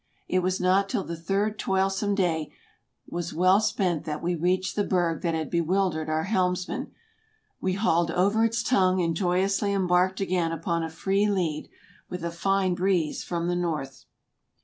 It was not till the third toilsome day was well spent that we reached the berg that had bewildered our helmsman. We hauled over its tongue and joyously em barked again upon a free lead, with a fine breeze from the north.